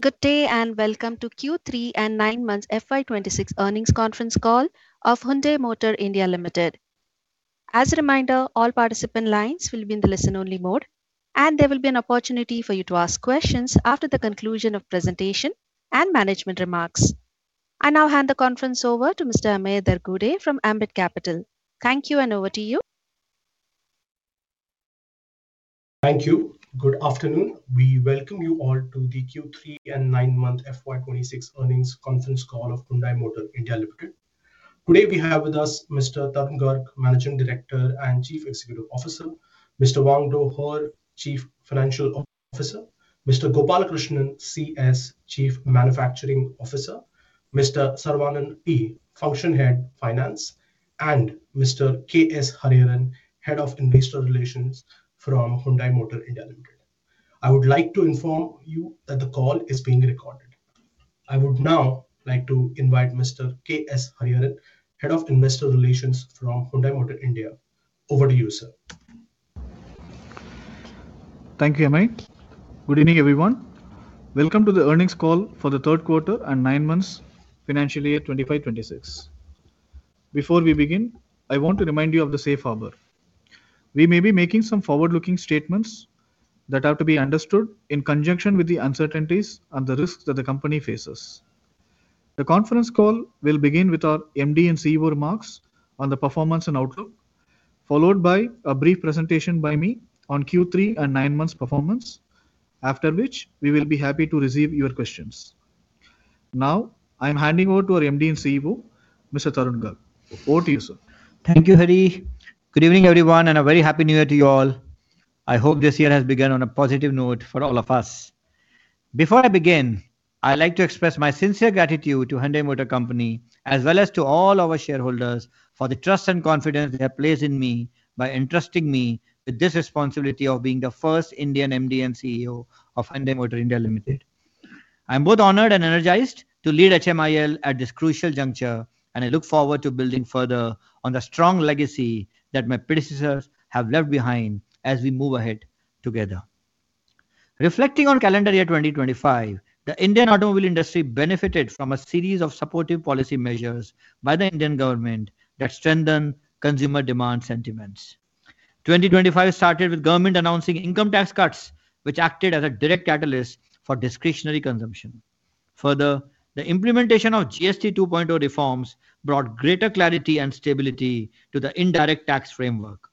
Good day, and welcome to Q3 and 9M FY 2026 earnings conference call of Hyundai Motor India Limited. As a reminder, all participant lines will be in the listen-only mode, and there will be an opportunity for you to ask questions after the conclusion of presentation and management remarks. I now hand the conference over to Mr. Amey Dargude from Ambit Capital. Thank you, and over to you. Thank you. Good afternoon. We welcome you all to the Q3 and 9M FY 2026 earnings conference call of Hyundai Motor India Limited. Today, we have with us Mr. Tarun Garg, Managing Director and Chief Executive Officer, Mr. Wangdo Hur, Chief Financial Officer, Mr. Gopala Krishnan CS, Chief Manufacturing Officer, Mr. Saravanan P, Function Head, Finance, and Mr. K.S. Hariharan, Head of Investor Relations from Hyundai Motor India Limited. I would like to inform you that the call is being recorded. I would now like to invite Mr. K S Hariharan, Head of Investor Relations from Hyundai Motor India. Over to you, sir. Thank you, Amey. Good evening, everyone. Welcome to the earnings call for the Q3 and 9M, financial year 2025, 2026. Before we begin, I want to remind you of the safe harbor. We may be making some forward-looking statements that are to be understood in conjunction with the uncertainties and the risks that the company faces. The conference call will begin with our MD and CEO remarks on the performance and outlook, followed by a brief presentation by me on Q3 and nine months performance, after which we will be happy to receive your questions. Now, I'm handing over to our MD and CEO, Mr. Tarun Garg. Over to you, sir. Thank you, Hari. Good evening, everyone, and a very Happy New Year to you all. I hope this year has begun on a positive note for all of us. Before I begin, I'd like to express my sincere gratitude to Hyundai Motor Company, as well as to all our shareholders, for the trust and confidence they have placed in me by entrusting me with this responsibility of being the first Indian MD and CEO of Hyundai Motor India Limited. I'm both honored and energized to lead HMIL at this crucial juncture, and I look forward to building further on the strong legacy that my predecessors have left behind as we move ahead together. Reflecting on calendar year 2025, the Indian automobile industry benefited from a series of supportive policy measures by the Indian government that strengthened consumer demand sentiments. 2025 started with government announcing income tax cuts, which acted as a direct catalyst for discretionary consumption. Further, the implementation of GST 2.0 reforms brought greater clarity and stability to the indirect tax framework.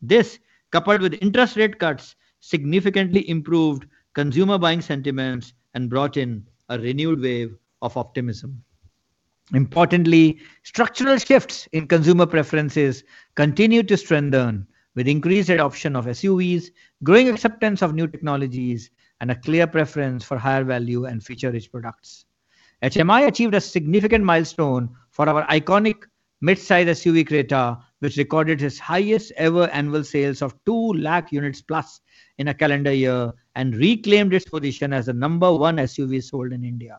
This, coupled with interest rate cuts, significantly improved consumer buying sentiments and brought in a renewed wave of optimism. Importantly, structural shifts in consumer preferences continued to strengthen, with increased adoption of SUVs, growing acceptance of new technologies, and a clear preference for higher value and feature-rich products. HMI achieved a significant milestone for our iconic mid-size SUV, Creta, which recorded its highest-ever annual sales of 200,000+ units in a calendar year and reclaimed its position as the number one SUV sold in India.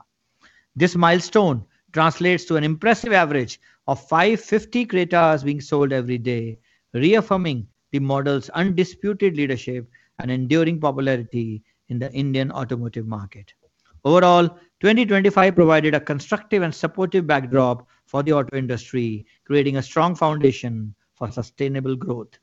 This milestone translates to an impressive average of 550 Cretas being sold every day, reaffirming the model's undisputed leadership and enduring popularity in the Indian automotive market. Overall, 2025 provided a constructive and supportive backdrop for the auto industry, creating a strong foundation for sustainable growth.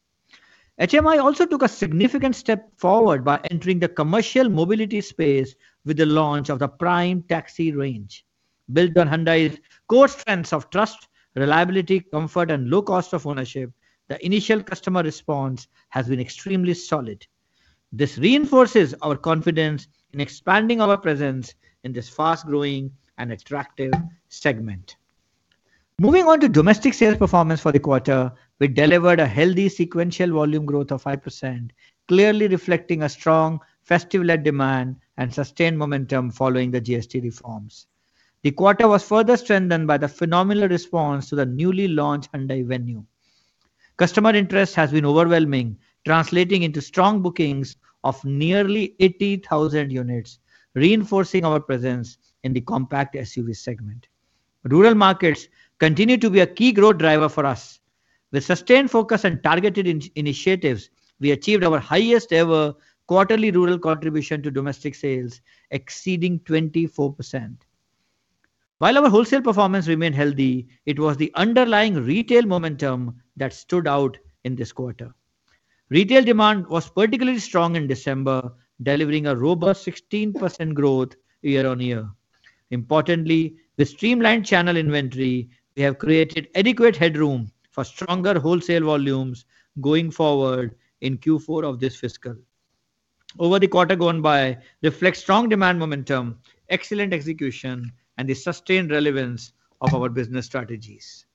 HMI also took a significant step forward by entering the commercial mobility space with the launch of the Prime Taxi range. Built on Hyundai's core strengths of trust, reliability, comfort, and low cost of ownership, the initial customer response has been extremely solid. This reinforces our confidence in expanding our presence in this fast-growing and attractive segment. Moving on to domestic sales performance for the quarter, we delivered a healthy sequential volume growth of 5%, clearly reflecting a strong festival demand and sustained momentum following the GST reforms. The quarter was further strengthened by the phenomenal response to the newly launched Hyundai Venue. Customer interest has been overwhelming, translating into strong bookings of nearly 80,000 units, reinforcing our presence in the compact SUV segment. Rural markets continue to be a key growth driver for us. With sustained focus and targeted initiatives, we achieved our highest-ever quarterly rural contribution to domestic sales, exceeding 24%. While our wholesale performance remained healthy, it was the underlying retail momentum that stood out in this quarter. Retail demand was particularly strong in December, delivering a robust 16% growth year-on-year. Importantly, with streamlined channel inventory, we have created adequate headroom for stronger wholesale volumes going forward in Q4 of this fiscal. Over the quarter gone by, reflect strong demand momentum, excellent execution, and the sustained relevance of our business strategies.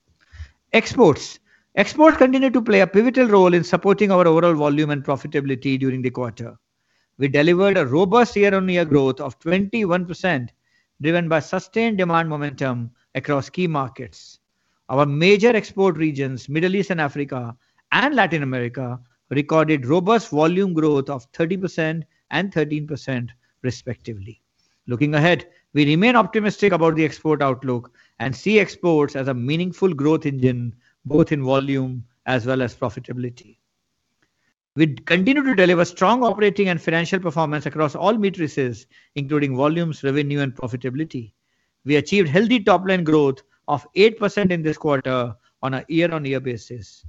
Exports. Exports continued to play a pivotal role in supporting our overall volume and profitability during the quarter. We delivered a robust year-on-year growth of 21%, driven by sustained demand momentum across key markets. Our major export regions, Middle East and Africa and Latin America, recorded robust volume growth of 30% and 13%, respectively. Looking ahead, we remain optimistic about the export outlook and see exports as a meaningful growth engine, both in volume as well as profitability.... We continue to deliver strong operating and financial performance across all metrics, including volumes, revenue, and profitability. We achieved healthy top-line growth of 8% in this quarter on a year-on-year basis.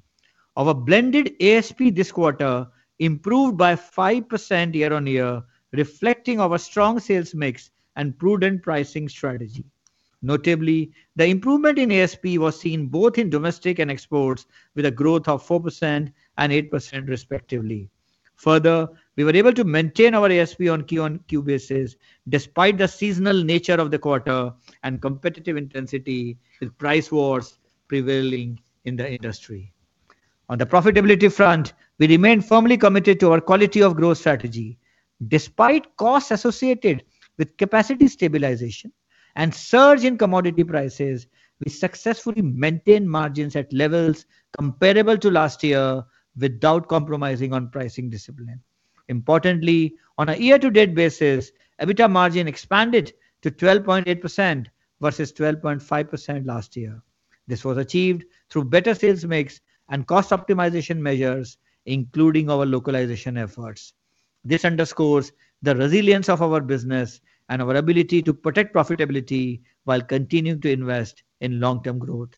Our blended ASP this quarter improved by 5% year-on-year, reflecting our strong sales mix and prudent pricing strategy. Notably, the improvement in ASP was seen both in domestic and exports, with a growth of 4% and 8% respectively. Further, we were able to maintain our ASP on quarter-on-quarter basis, despite the seasonal nature of the quarter and competitive intensity with price wars prevailing in the industry. On the profitability front, we remain firmly committed to our quality of growth strategy. Despite costs associated with capacity stabilization and surge in commodity prices, we successfully maintained margins at levels comparable to last year without compromising on pricing discipline. Importantly, on a year-to-date basis, EBITDA margin expanded to 12.8% versus 12.5% last year. This was achieved through better sales mix and cost optimization measures, including our localization efforts. This underscores the resilience of our business and our ability to protect profitability while continuing to invest in long-term growth.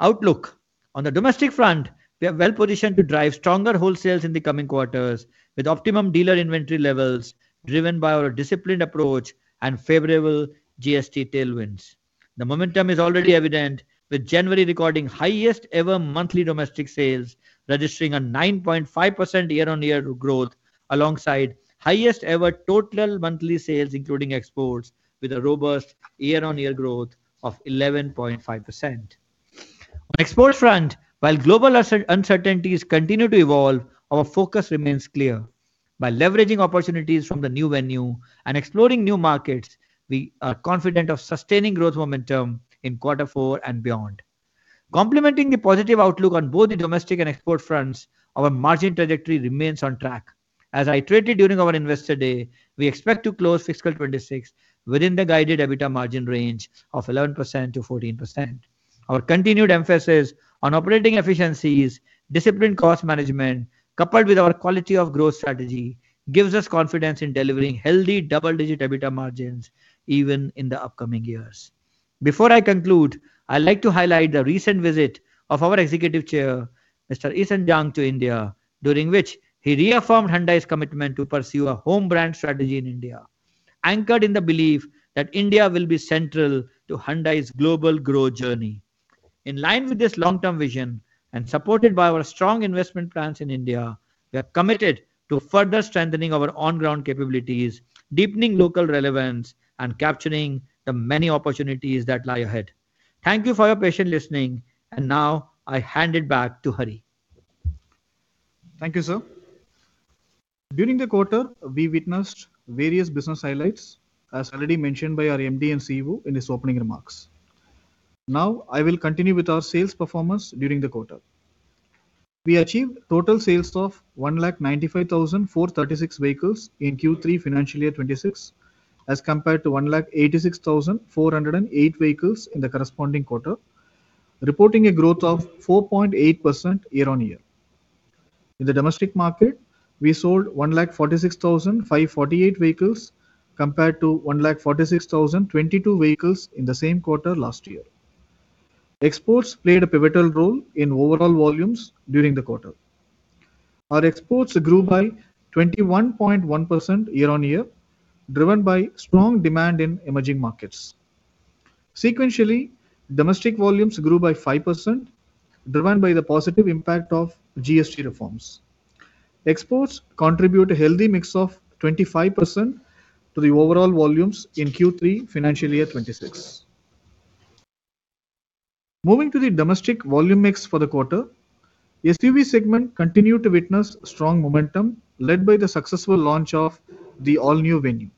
Outlook. On the domestic front, we are well positioned to drive stronger wholesales in the coming quarters, with optimum dealer inventory levels driven by our disciplined approach and favorable GST tailwinds. The momentum is already evident, with January recording highest-ever monthly domestic sales, registering a 9.5% year-on-year growth, alongside highest-ever total monthly sales, including exports, with a robust year-on-year growth of 11.5%. On export front, while global uncertainties continue to evolve, our focus remains clear. By leveraging opportunities from the new Venue and exploring new markets, we are confident of sustaining growth momentum in Q4 and beyond. Complementing the positive outlook on both the domestic and export fronts, our margin trajectory remains on track. As I iterated during our Investor Day, we expect to close fiscal 2026 within the guided EBITDA margin range of 11%-14%. Our continued emphasis on operating efficiencies, disciplined cost management, coupled with our quality of growth strategy, gives us confidence in delivering healthy double-digit EBITDA margins even in the upcoming years. Before I conclude, I'd like to highlight the recent visit of our Executive Chair, Mr. Euisun Chung, to India, during which he reaffirmed Hyundai's commitment to pursue a home brand strategy in India, anchored in the belief that India will be central to Hyundai's global growth journey. In line with this long-term vision, and supported by our strong investment plans in India, we are committed to further strengthening our on-ground capabilities, deepening local relevance, and capturing the many opportunities that lie ahead. Thank you for your patient listening, and now I hand it back to Hari. Thank you, sir. During the quarter, we witnessed various business highlights, as already mentioned by our MD and CEO in his opening remarks. Now, I will continue with our sales performance during the quarter. We achieved total sales of 195,436 vehicles in Q3 financial year 2026, as compared to 186,408 vehicles in the corresponding quarter, reporting a growth of 4.8% year-over-year. In the domestic market, we sold 146,548 vehicles, compared to 146,022 vehicles in the same quarter last year. Exports played a pivotal role in overall volumes during the quarter. Our exports grew by 21.1% year-over-year, driven by strong demand in emerging markets. Sequentially, domestic volumes grew by 5%, driven by the positive impact of GST reforms. Exports contribute a healthy mix of 25% to the overall volumes in Q3 financial year 2026. Moving to the domestic volume mix for the quarter, SUV segment continued to witness strong momentum, led by the successful launch of the All-New Venue.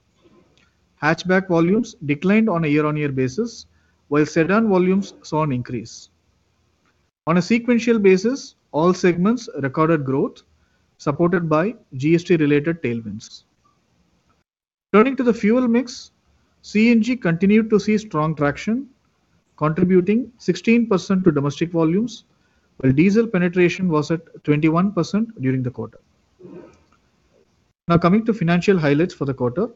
Hatchback volumes declined on a year-on-year basis, while sedan volumes saw an increase. On a sequential basis, all segments recorded growth, supported by GST-related tailwinds. Turning to the fuel mix, CNG continued to see strong traction, contributing 16% to domestic volumes, while diesel penetration was at 21% during the quarter. Now, coming to financial highlights for the quarter.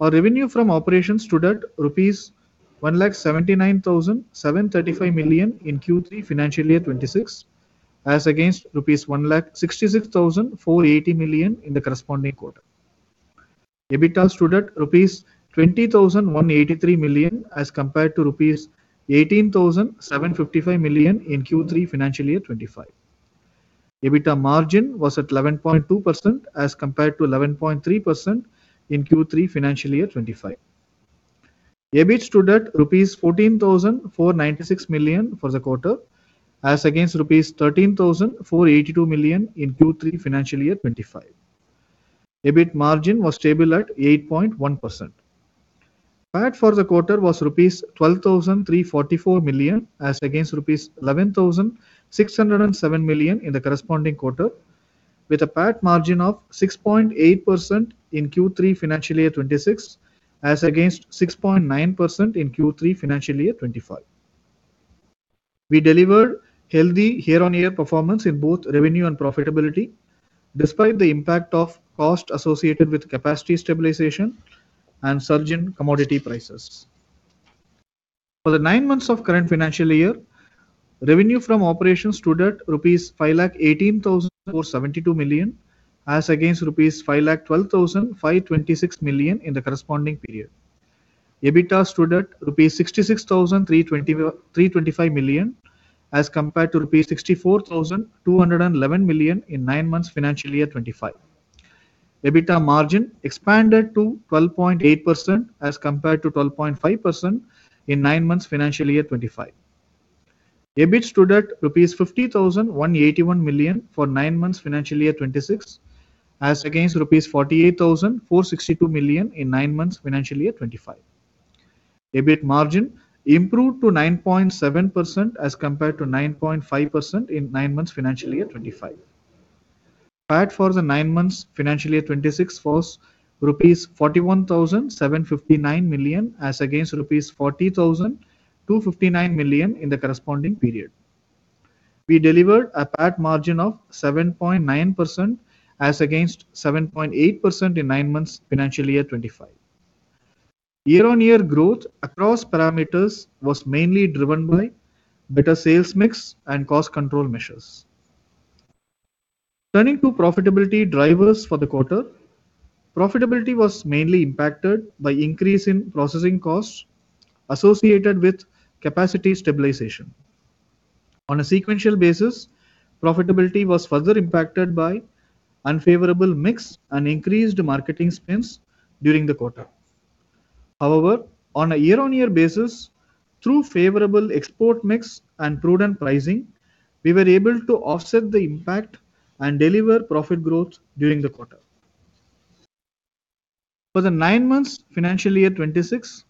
Our revenue from operations stood at rupees 179,735 million in Q3 financial year 2026, as against rupees 166,480 million in the corresponding quarter. EBITDA stood at rupees 20,183 million, as compared to rupees 18,755 million in Q3 financial year 2025. EBITDA margin was at 11.2%, as compared to 11.3% in Q3 financial year 2025. EBIT stood at rupees 14,496 million for the quarter, as against rupees 13,482 million in Q3 financial year 2025. EBIT margin was stable at 8.1%. PAT for the quarter was rupees 12,344 million, as against rupees 11,607 million in the corresponding quarter, with a PAT margin of 6.8% in Q3 financial year 2026, as against 6.9% in Q3 financial year 2025. We delivered healthy year-on-year performance in both revenue and profitability, despite the impact of cost associated with capacity stabilization and surge in commodity prices. For the nine months of current financial year, revenue from operations stood at rupees 518,472 million, as against rupees 512,526 million in the corresponding period. EBITDA stood at rupees 66,323.25 million, as compared to rupees 64,211 million in nine months financial year 2025. EBITDA margin expanded to 12.8% as compared to 12.5% in nine months financial year 2025. EBIT stood at rupees 50,181 million for nine months financial year 2026, as against rupees 48,462 million in nine months financial year 2025. EBIT margin improved to 9.7% as compared to 9.5% in nine months financial year 2025. PAT for the nine months financial year 2026 was rupees 41,759 million, as against rupees 40,259 million in the corresponding period. We delivered a PAT margin of 7.9% as against 7.8% in nine months financial year 2025. Year-on-year growth across parameters was mainly driven by better sales mix and cost control measures. Turning to profitability drivers for the quarter, profitability was mainly impacted by increase in processing costs associated with capacity stabilization. On a sequential basis, profitability was further impacted by unfavorable mix and increased marketing spends during the quarter. However, on a year-on-year basis, through favorable export mix and prudent pricing, we were able to offset the impact and deliver profit growth during the quarter. For the nine months financial year 2026,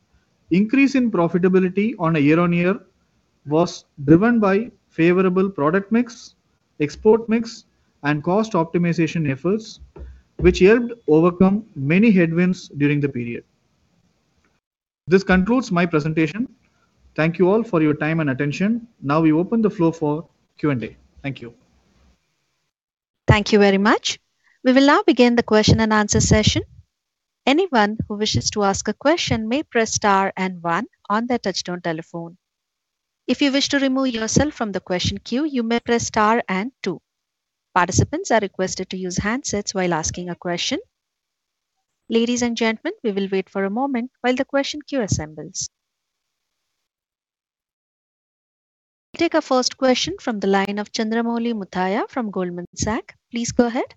increase in profitability on a year-on-year was driven by favorable product mix, export mix, and cost optimization efforts, which helped overcome many headwinds during the period. This concludes my presentation. Thank you all for your time and attention. Now we open the floor for Q&A. Thank you. Thank you very much. We will now begin the question and answer session. Anyone who wishes to ask a question may press star and one on their touchtone telephone. If you wish to remove yourself from the question queue, you may press star and two. Participants are requested to use handsets while asking a question. Ladies and gentlemen, we will wait for a moment while the question queue assembles. We'll take our first question from the line of Chandramouli Muthiah from Goldman Sachs. Please go ahead.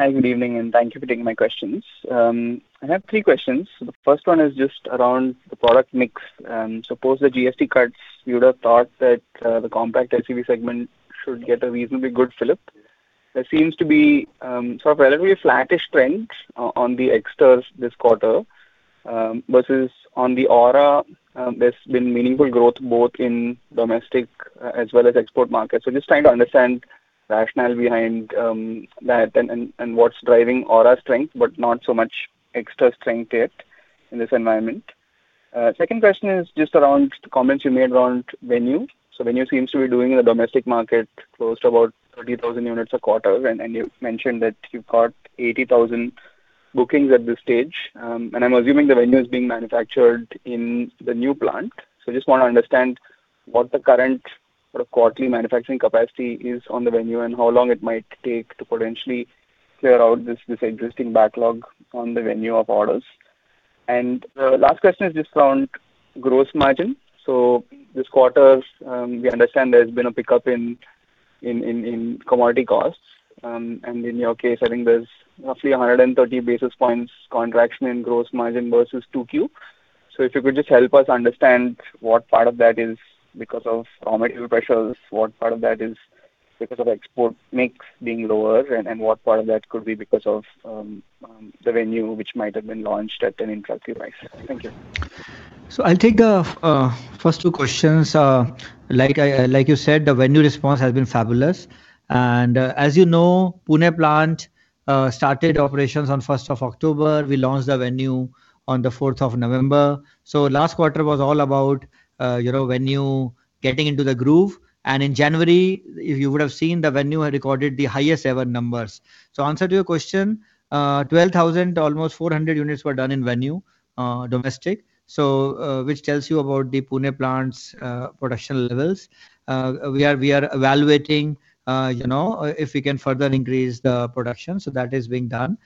Hi, good evening, and thank you for taking my questions. I have three questions. The first one is just around the product mix. Suppose the GST cuts, you would have thought that the compact SUV segment should get a reasonably good fillip. There seems to be sort of relatively flattish trends on the Exter this quarter versus on the Aura. There's been meaningful growth both in domestic as well as export markets. So just trying to understand the rationale behind that and what's driving Aura strength, but not so much Exter strength yet in this environment. Second question is just around the comments you made around Venue. So Venue seems to be doing in the domestic market close to about 30,000 units a quarter, and you've mentioned that you've got 80,000 bookings at this stage. And I'm assuming the Venue is being manufactured in the new plant. So I just want to understand what the current sort of quarterly manufacturing capacity is on the Venue, and how long it might take to potentially clear out this existing backlog on the Venue of orders. And the last question is just around gross margin. So this quarter, we understand there's been a pickup in commodity costs. And in your case, I think there's roughly 130 basis points contraction in gross margin versus 2Q. So if you could just help us understand what part of that is because of raw material pressures, what part of that is because of export mix being lower, and what part of that could be because of the Venue, which might have been launched at an introductory price. Thank you. So I'll take the first two questions. Like you said, the Venue response has been fabulous. And as you know, Pune plant started operations on first of October. We launched the Venue on the fourth of November. So last quarter was all about, you know, Venue getting into the groove. And in January, if you would have seen, the Venue had recorded the highest ever numbers. So answer to your question, 12,000 almost 400 units were done in Venue, domestic. So which tells you about the Pune plant's production levels. We are evaluating, you know, if we can further increase the production, so that is being done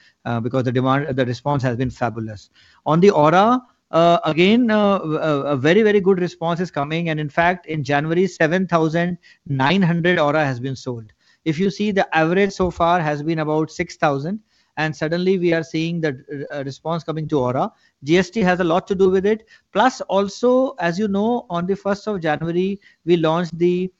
because the demand... the response has been fabulous. On the Aura, again, a very, very good response is coming, and in fact, in January, 7,900 Aura has been sold. If you see, the average so far has been about 6,000, and suddenly we are seeing the response coming to Aura. GST has a lot to do with it. Plus, also, as you know, on the first of January, we launched the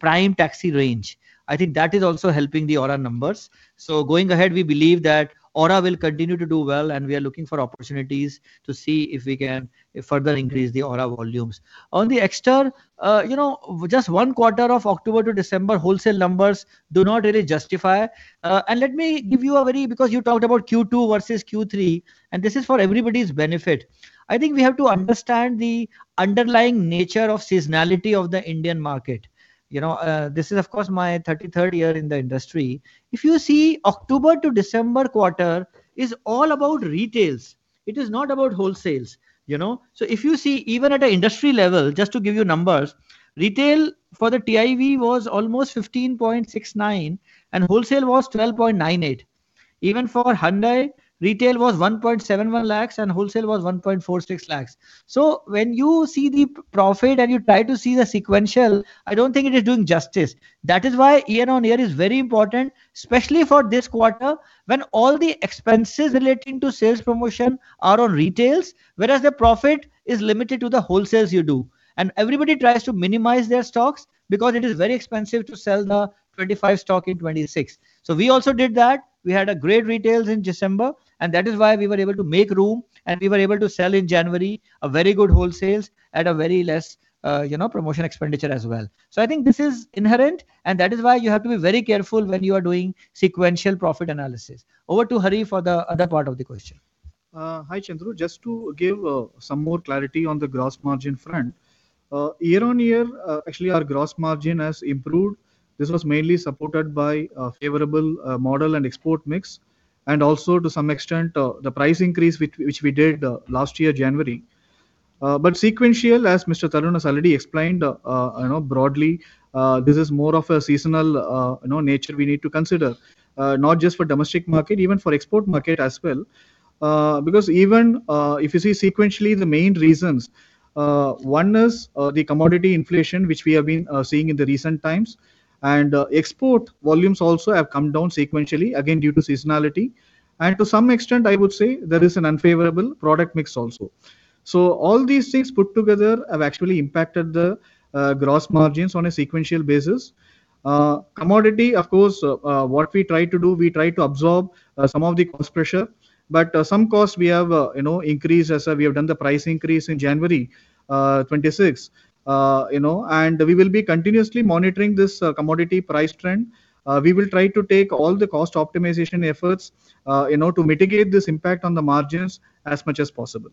Prime Taxi range. I think that is also helping the Aura numbers. So going ahead, we believe that Aura will continue to do well, and we are looking for opportunities to see if we can further increase the Aura volumes. On the Exter, you know, just one quarter of October to December, wholesale numbers do not really justify. Let me give you, because you talked about Q2 versus Q3, and this is for everybody's benefit. I think we have to understand the underlying nature of seasonality of the Indian market. You know, this is of course my thirty-third year in the industry. If you see, October to December quarter is all about retail. It is not about wholesale, you know? So if you see, even at an industry level, just to give you numbers, retail for the TIV was almost 15.69, and wholesale was 12.98.... even for Hyundai, retail was 1.71 lakh and wholesale was 1.46 lakh. So when you see the profit and you try to see the sequential, I don't think it is doing justice. That is why year-on-year is very important, especially for this quarter, when all the expenses relating to sales promotion are on retails, whereas the profit is limited to the wholesales you do. And everybody tries to minimize their stocks because it is very expensive to sell the 2025 stock in 2026. So we also did that. We had great retails in December, and that is why we were able to make room and we were able to sell in January a very good wholesales at very less, you know, promotion expenditure as well. So I think this is inherent, and that is why you have to be very careful when you are doing sequential profit analysis. Over to Hari for the other part of the question. Hi, Chandru. Just to give some more clarity on the gross margin front, year on year, actually, our gross margin has improved. This was mainly supported by a favorable model and export mix, and also to some extent the price increase which we did last year, January. But sequential, as Mr. Tarun has already explained, you know, broadly, this is more of a seasonal you know nature we need to consider, not just for domestic market, even for export market as well. Because even if you see sequentially, the main reasons, one is the commodity inflation, which we have been seeing in the recent times, and export volumes also have come down sequentially, again, due to seasonality. And to some extent, I would say there is an unfavorable product mix also. So all these things put together have actually impacted the gross margins on a sequential basis. Commodity, of course, what we try to do, we try to absorb some of the cost pressure, but some costs we have, you know, increased as we have done the price increase in January 2026. You know, and we will be continuously monitoring this commodity price trend. We will try to take all the cost optimization efforts, you know, to mitigate this impact on the margins as much as possible.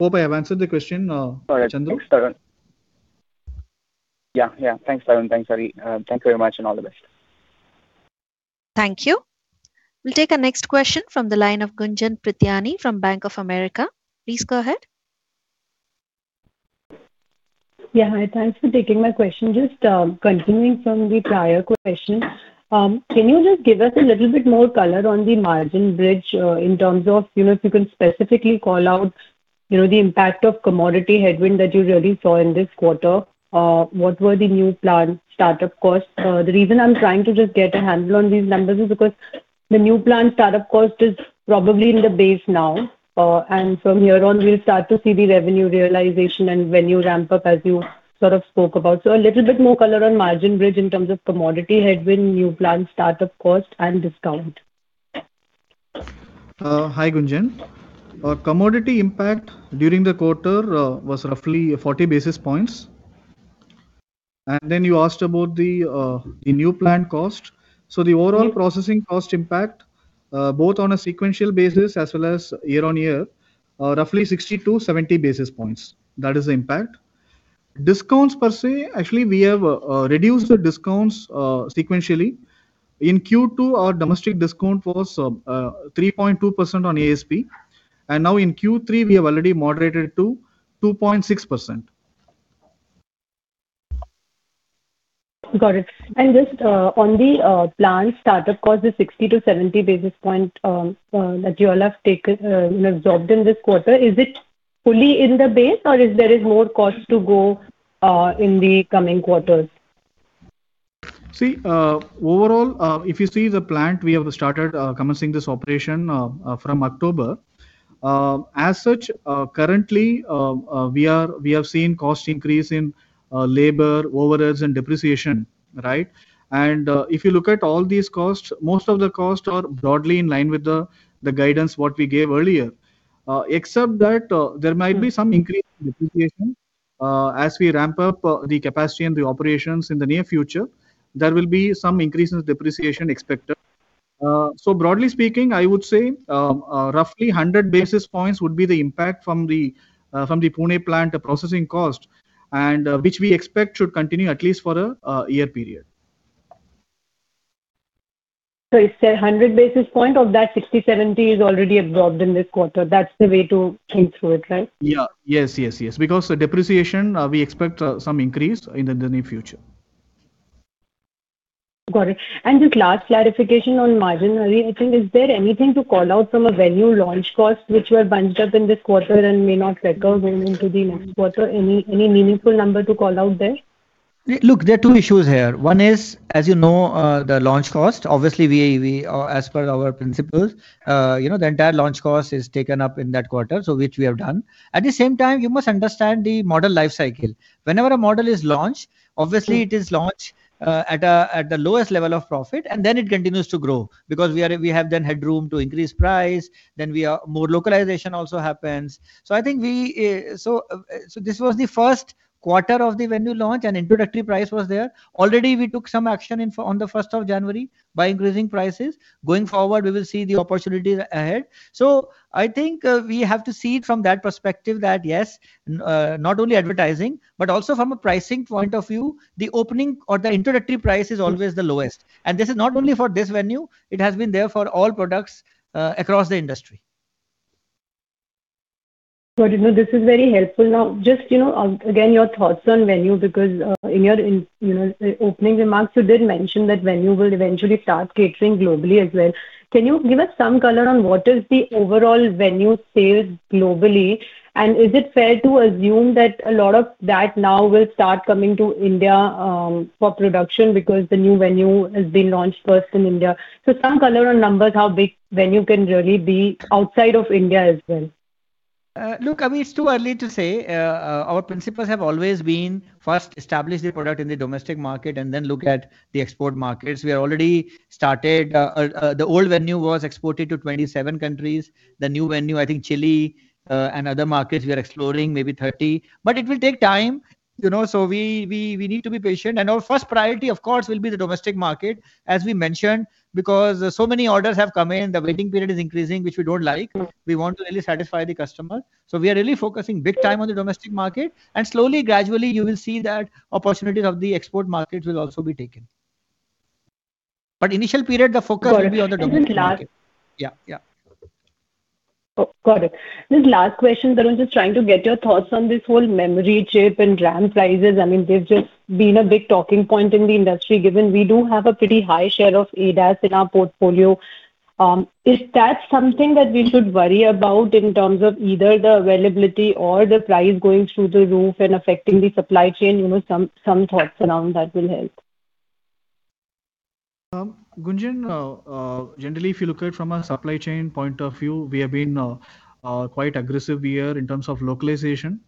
Hope I have answered the question, Chandru. Sorry. Thanks, Tarun. Yeah, yeah, thanks, Tarun. Thanks, Hari. Thank you very much, and all the best. Thank you. We'll take our next question from the line of Gunjan Prithyani from Bank of America. Please go ahead. Yeah, hi. Thanks for taking my question. Just, continuing from the prior question, can you just give us a little bit more color on the margin bridge, in terms of, you know, if you can specifically call out, you know, the impact of commodity headwind that you really saw in this quarter? What were the new plant startup costs? The reason I'm trying to just get a handle on these numbers is because the new plant startup cost is probably in the base now, and from here on, we'll start to see the revenue realization and Venue ramp up, as you sort of spoke about. So a little bit more color on margin bridge in terms of commodity headwind, new plant startup cost, and discount. Hi, Gunjan. Commodity impact during the quarter was roughly 40 basis points. And then you asked about the new plant cost. Mm-hmm. So the overall processing cost impact, both on a sequential basis as well as year-on-year, roughly 60-70 basis points. That is the impact. Discounts, per se, actually, we have reduced the discounts sequentially. In Q2, our domestic discount was 3.2% on ASP, and now in Q3, we have already moderated to 2.6%. Got it. And just on the plant startup cost is 60-70 basis points that you all have taken, you know, absorbed in this quarter, is it fully in the base, or is there more cost to go in the coming quarters? See, overall, if you see the plant, we have started commencing this operation from October. As such, currently, we have seen cost increase in labor, overheads, and depreciation, right? And, if you look at all these costs, most of the costs are broadly in line with the guidance what we gave earlier. Except that, there might be some increase in depreciation. As we ramp up the capacity and the operations in the near future, there will be some increase in the depreciation expected. So broadly speaking, I would say, roughly 100 basis points would be the impact from the Pune plant processing cost, and which we expect should continue at least for a year period. It's 100 basis points, of that, 60, 70 is already absorbed in this quarter. That's the way to think through it, right? Yeah. Yes, yes, yes, because the depreciation, we expect some increase in the near future. Got it. Just last clarification on margin, I think, is there anything to call out from a Venue launch cost which were bunched up in this quarter and may not recur going into the next quarter? Any, any meaningful number to call out there? Look, there are two issues here. One is, as you know, the launch cost. Obviously, we as per our principles, you know, the entire launch cost is taken up in that quarter, so which we have done. At the same time, you must understand the model life cycle. Whenever a model is launched, obviously it is launched at the lowest level of profit, and then it continues to grow. Because we have then headroom to increase price, then we are. More localization also happens. So I think this was the Q1 of the Venue launch, and introductory price was there. Already we took some action on the first of January by increasing prices. Going forward, we will see the opportunities ahead. So I think, we have to see it from that perspective, that yes, not only advertising, but also from a pricing point of view, the opening or the introductory price is always the lowest. And this is not only for this Venue, it has been there for all products, across the industry. ... But, you know, this is very helpful. Now, just, you know, again, your thoughts on Venue, because, in your, you know, opening remarks, you did mention that Venue will eventually start catering globally as well. Can you give us some color on what is the overall Venue sales globally? And is it fair to assume that a lot of that now will start coming to India, for production because the new Venue has been launched first in India? So some color on numbers, how big Venue can really be outside of India as well. Look, I mean, it's too early to say. Our principles have always been first establish the product in the domestic market, and then look at the export markets. We have already started. The old Venue was exported to 27 countries. The new Venue, I think Chile and other markets we are exploring, maybe 30. But it will take time, you know, so we need to be patient. Our first priority, of course, will be the domestic market, as we mentioned, because so many orders have come in, the waiting period is increasing, which we don't like. Mm. We want to really satisfy the customer. So we are really focusing big time on the domestic market, and slowly, gradually, you will see that opportunities of the export markets will also be taken. But initial period, the focus will be on the domestic market. Got it. Just last- Yeah, yeah. Oh, got it. This last question, Tarun, just trying to get your thoughts on this whole memory chip and RAM prices. I mean, they've just been a big talking point in the industry, given we do have a pretty high share of ADAS in our portfolio. Is that something that we should worry about in terms of either the availability or the price going through the roof and affecting the supply chain? You know, some thoughts around that will help. Gunjan, generally, if you look at it from a supply chain point of view, we have been quite aggressive here in terms of localization.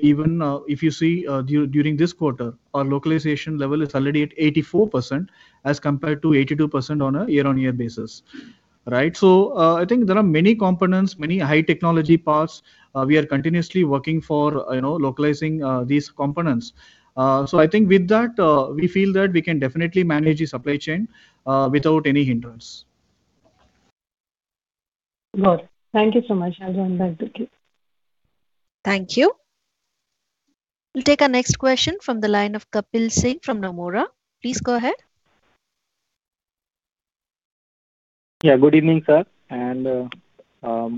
Even if you see during this quarter, our localization level is already at 84%, as compared to 82% on a year-on-year basis, right? So, I think there are many components, many high technology parts we are continuously working for, you know, localizing these components. So I think with that, we feel that we can definitely manage the supply chain without any hindrance. Got it. Thank you so much. I'll go back to you. Thank you. We'll take our next question from the line of Kapil Singh from Nomura. Please go ahead. Yeah. Good evening, sir, and,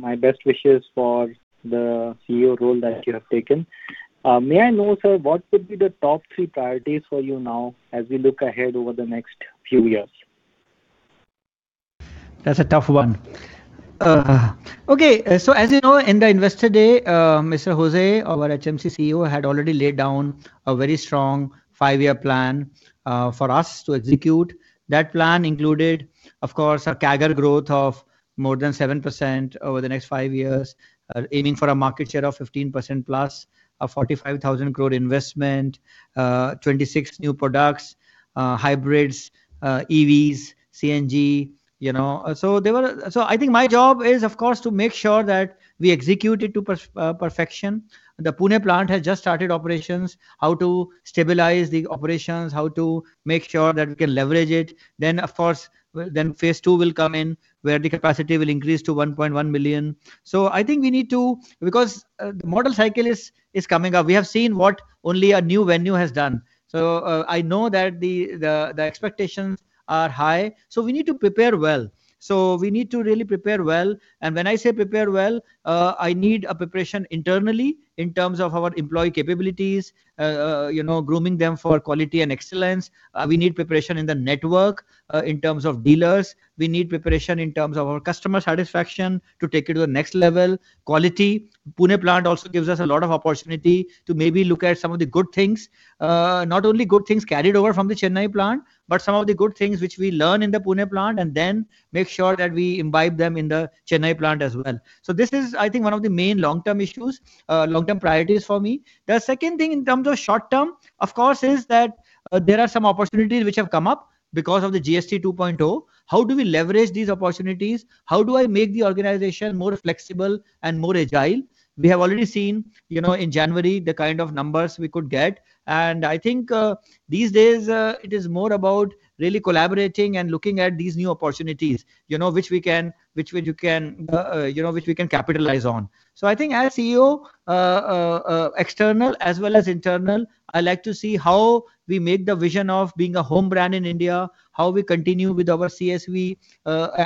my best wishes for the CEO role that you have taken. May I know, sir, what would be the top three priorities for you now as we look ahead over the next few years? That's a tough one. Okay, so as you know, in the Investor Day, Mr. Jose, our HMC CEO, had already laid down a very strong five-year plan for us to execute. That plan included, of course, a CAGR growth of more than 7% over the next five years, aiming for a market share of 15%+, an 45,000 crore investment, 26 new products, hybrids, EVs, CNG, you know. So I think my job is, of course, to make sure that we execute it to perfection. The Pune plant has just started operations, how to stabilize the operations, how to make sure that we can leverage it. Then, of course, phase two will come in, where the capacity will increase to 1.1 million. So I think we need to... Because the model cycle is coming up. We have seen what only a new Venue has done. So I know that the expectations are high, so we need to prepare well. So we need to really prepare well, and when I say prepare well, I need a preparation internally in terms of our employee capabilities, you know, grooming them for quality and excellence. We need preparation in the network, in terms of dealers. We need preparation in terms of our customer satisfaction to take it to the next level. Quality, Pune plant also gives us a lot of opportunity to maybe look at some of the good things, not only good things carried over from the Chennai plant, but some of the good things which we learn in the Pune plant, and then make sure that we imbibe them in the Chennai plant as well. So this is, I think, one of the main long-term issues, long-term priorities for me. The second thing, in terms of short term, of course, is that, there are some opportunities which have come up because of the GST 2.0. How do we leverage these opportunities? How do I make the organization more flexible and more agile? We have already seen, you know, in January, the kind of numbers we could get, and I think, these days, it is more about really collaborating and looking at these new opportunities, you know, which we can, which we, you can, you know, which we can capitalize on. So I think as CEO, external as well as internal, I like to see how we make the vision of being a home brand in India, how we continue with our CSV,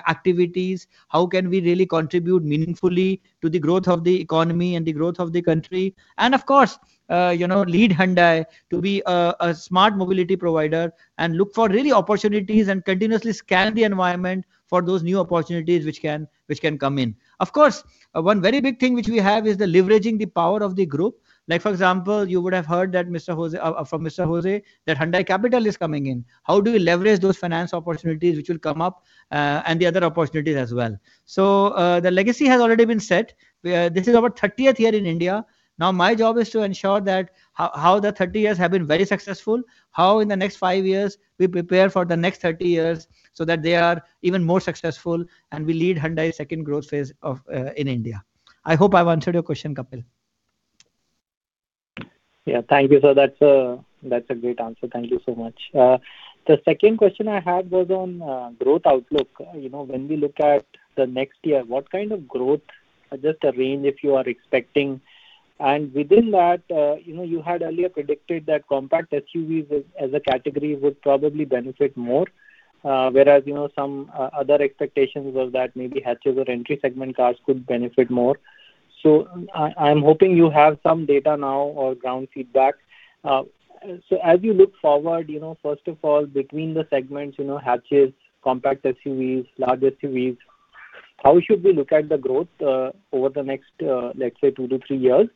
activities, how can we really contribute meaningfully to the growth of the economy and the growth of the country, and of course, you know, lead Hyundai to be a smart mobility provider and look for really opportunities and continuously scan the environment for those new opportunities which can, which can come in. Of course, one very big thing which we have is the leveraging the power of the group. Like, for example, you would have heard that Mr. Jose, from Mr. Jose, that Hyundai Capital is coming in. How do we leverage those finance opportunities which will come up, and the other opportunities as well? So, the legacy has already been set. We are- This is our 30th year in India. Now, my job is to ensure that how the 30 years have been very successful, how in the next 5 years we prepare for the next 30 years, so that they are even more successful, and we lead Hyundai's second growth phase of, in India. I hope I've answered your question, Kapil. Yeah. Thank you, sir. That's a great answer. Thank you so much. The second question I had was on growth outlook. You know, when we look at the next year, what kind of growth, just a range if you are expecting, and within that, you know, you had earlier predicted that compact SUVs as a category would probably benefit more, whereas, you know, some other expectations was that maybe hatches or entry segment cars could benefit more... so I, I'm hoping you have some data now or ground feedback. So as you look forward, you know, first of all, between the segments, you know, hatches, compact SUVs, large SUVs, how should we look at the growth over the next, let's say two to three years?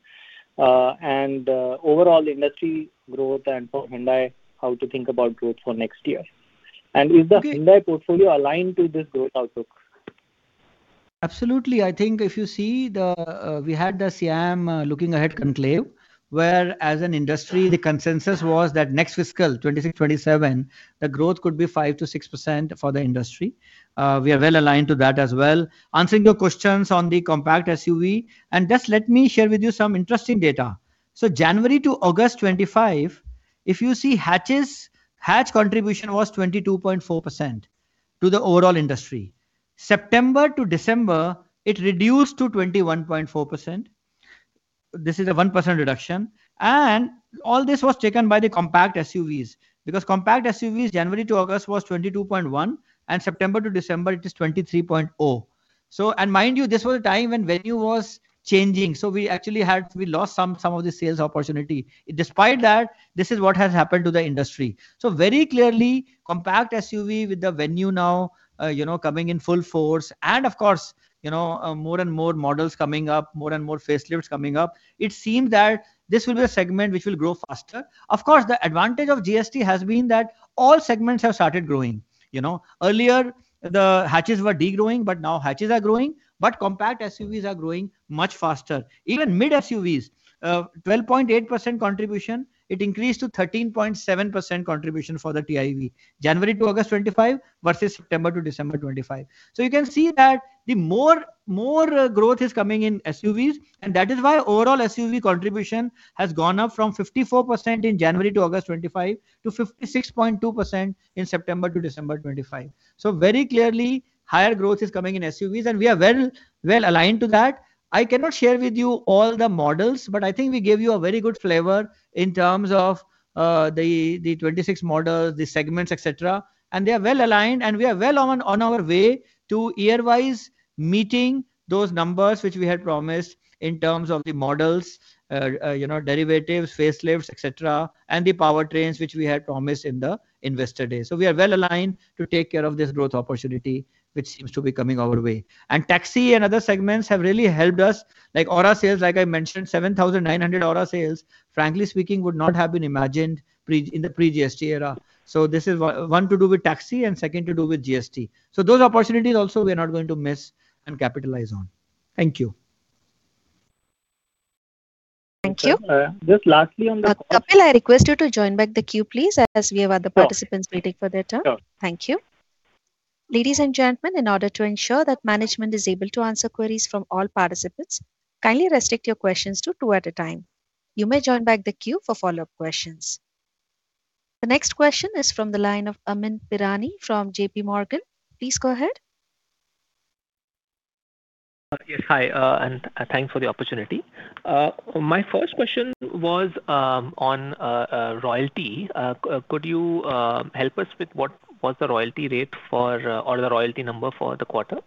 Overall industry growth and for Hyundai, how to think about growth for next year? Is the Hyundai portfolio aligned to this growth outlook? Absolutely. I think if you see the, we had the SIAM Looking Ahead Conclave, where as an industry, the consensus was that next fiscal, 2026, 2027, the growth could be 5%-6% for the industry. We are well aligned to that as well. Answering your questions on the compact SUV, and just let me share with you some interesting data. So January to August 2025, if you see hatches, hatch contribution was 22.4% to the overall industry. September to December, it reduced to 21.4%. This is a 1% reduction. And all this was taken by the compact SUVs, because compact SUVs, January to August, was 22.1, and September to December it is 23.0. And mind you, this was a time when Venue was changing, so we lost some of the sales opportunity. Despite that, this is what has happened to the industry. So very clearly, compact SUV with the Venue now, you know, coming in full force, and of course, you know, more and more models coming up, more and more facelifts coming up, it seems that this will be a segment which will grow faster. Of course, the advantage of GST has been that all segments have started growing. You know, earlier the hatches were degrowing, but now hatches are growing, but compact SUVs are growing much faster. Even mid SUVs, 12.8% contribution, it increased to 13.7% contribution for the TIV, January to August 2025 versus September to December 2025. So you can see that the more, more, growth is coming in SUVs, and that is why overall SUV contribution has gone up from 54% in January to August 2025 to 56.2% in September to December 2025. So very clearly, higher growth is coming in SUVs, and we are well, well aligned to that. I cannot share with you all the models, but I think we gave you a very good flavor in terms of, the, the 26 models, the segments, et cetera. And they are well aligned, and we are well on, on our way to year-wise meeting those numbers which we had promised in terms of the models, you know, derivatives, facelifts, et cetera, and the powertrains which we had promised in the Investor Day. So we are well aligned to take care of this growth opportunity, which seems to be coming our way. And taxi and other segments have really helped us. Like, Aura sales, like I mentioned, 7,900 Aura sales, frankly speaking, would not have been imagined in the pre-GST era. So this is one, to do with taxi, and second, to do with GST. So those opportunities also we are not going to miss and capitalize on. Thank you. Thank you. Just lastly on the- Kapil, I request you to join back the queue, please, as we have other participants. Sure. - waiting for their turn. Sure. Thank you. Ladies and gentlemen, in order to ensure that management is able to answer queries from all participants, kindly restrict your questions to two at a time. You may join back the queue for follow-up questions. The next question is from the line of Amyn Pirani from JP Morgan. Please go ahead. Yes. Hi, and thanks for the opportunity. My first question was on royalty. Could you help us with what was the royalty rate for or the royalty number for the quarter?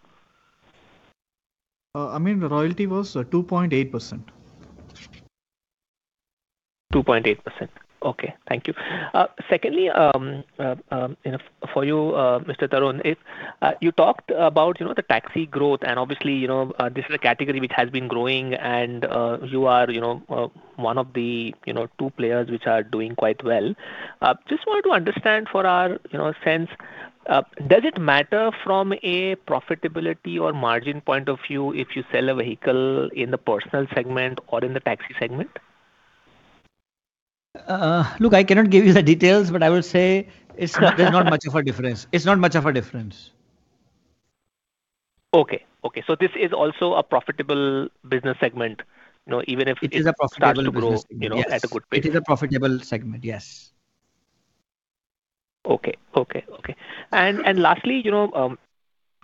Amyn, the royalty was 2.8%. 2.8%. Okay, thank you. Secondly, you know, for you, Mr. Tarun, if you talked about, you know, the taxi growth and obviously, you know, this is a category which has been growing and, you are, you know, one of the, you know, two players which are doing quite well. Just wanted to understand for our, you know, sense, does it matter from a profitability or margin point of view if you sell a vehicle in the personal segment or in the taxi segment? Look, I cannot give you the details, but I will say there's not much of a difference. It's not much of a difference. Okay, okay. So this is also a profitable business segment, you know, even if it- It is a profitable business. starts to grow Yes... you know, at a good pace. It is a profitable segment, yes. Okay. Okay, okay. And lastly, you know,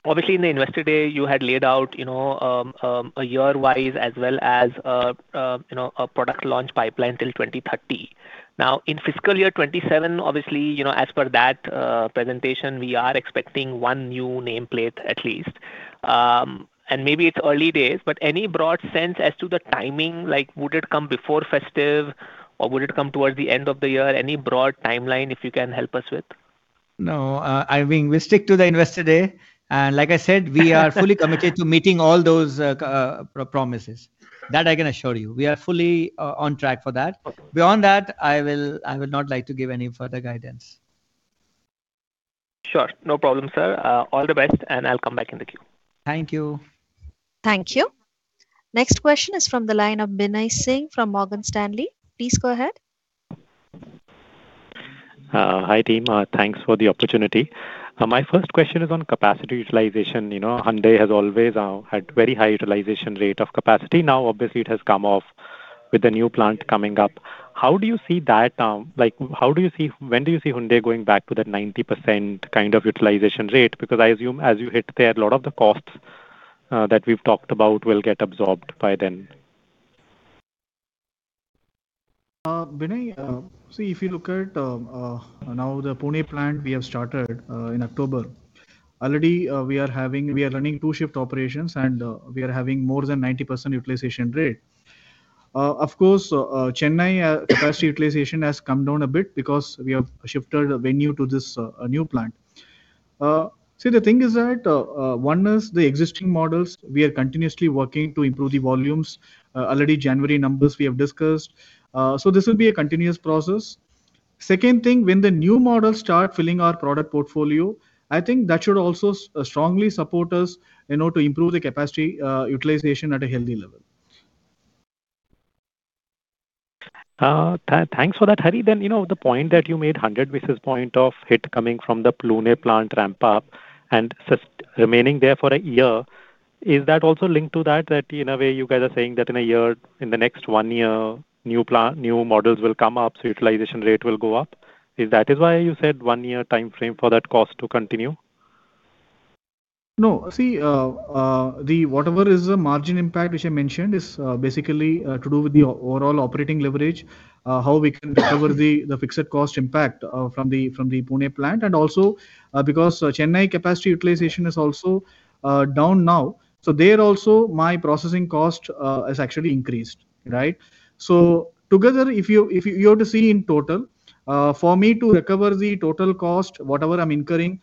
obviously in the investor day, you had laid out, you know, a year-wise as well as, you know, a product launch pipeline till 2030. Now, in fiscal year 2027, obviously, you know, as per that presentation, we are expecting one new nameplate at least. And maybe it's early days, but any broad sense as to the timing, like, would it come before festive, or would it come towards the end of the year? Any broad timeline, if you can help us with? No, I mean, we stick to the investor day, and like I said—we are fully committed to meeting all those promises. That I can assure you. We are fully on track for that. Okay. Beyond that, I will, I would not like to give any further guidance. Sure. No problem, sir. All the best, and I'll come back in the queue. Thank you. Thank you. Next question is from the line of Binay Singh from Morgan Stanley. Please go ahead. Hi, team. Thanks for the opportunity. My first question is on capacity utilization. You know, Hyundai has always had very high utilization rate of capacity. Now, obviously, it has come off with the new plant coming up. How do you see that? Like, how do you see—when do you see Hyundai going back to the 90% kind of utilization rate? Because I assume as you hit there, a lot of the costs that we've talked about will get absorbed by then. Binay, so if you look at, now the Pune plant we have started, in October, already, we are having we are running two shift operations, and, we are having more than 90% utilization rate. Of course, Chennai, capacity utilization has come down a bit because we have shifted the Venue to this, new plant. See, the thing is that, one is the existing models, we are continuously working to improve the volumes. Already January numbers we have discussed. So this will be a continuous process. Second thing, when the new models start filling our product portfolio, I think that should also strongly support us in order to improve the capacity, utilization at a healthy level. Thanks for that, Hari. Then, you know, the point that you made, 100 basis point of hit coming from the Pune plant ramp up and just remaining there for a year, is that also linked to that, that in a way you guys are saying that in a year, in the next one year, new plant, new models will come up, so utilization rate will go up? Is that why you said one-year timeframe for that cost to continue? No. See, whatever is the margin impact, which I mentioned, is basically to do with the overall operating leverage, how we can recover the fixed cost impact from the Pune plant. And also, because Chennai capacity utilization is also down now, so there also my processing cost has actually increased, right? So together, if you were to see in total, for me to recover the total cost, whatever I'm incurring,